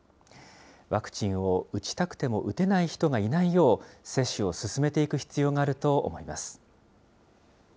ワクチンを打ちたくても打てない人がいないよう、接種を進めていく必要があると思います。